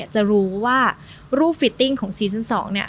จะรู้ว่ารูปฟิตติ้งของซีซอน๒